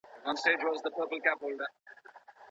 په قلم خط لیکل د ذهن د ښایسته کولو هنر دی.